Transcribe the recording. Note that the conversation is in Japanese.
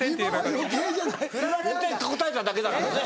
ふられて答えただけだからね。